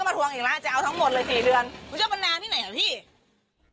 มูชะปันนาที่ไหนอ่ะพี่